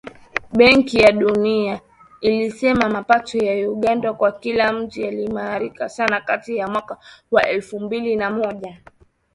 Benki ya Dunia ilisema mapato ya Uganda kwa kila mtu yaliimarika sana kati ya mwaka wa elfu mbili na moja na elfu mbili kumi na moja